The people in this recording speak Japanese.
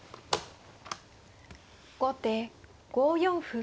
後手５四歩。